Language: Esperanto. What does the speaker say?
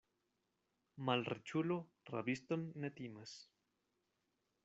Malriĉulo rabiston ne timas.